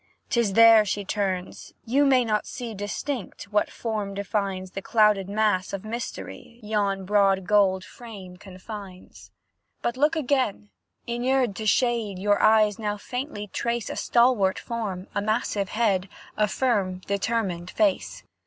'Tis there she turns; you may not see Distinct, what form defines The clouded mass of mystery Yon broad gold frame confines. But look again; inured to shade Your eyes now faintly trace A stalwart form, a massive head, A firm, determined face.